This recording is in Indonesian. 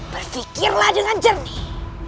berpikirlah dengan jernih